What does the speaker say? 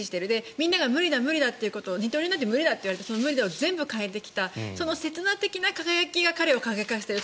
みんなが無理だってことを二刀流なんて無理だって言われてその無理だを全部変えてきたその刹那的な輝きが彼を輝かしている。